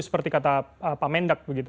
seperti kata pak mendak begitu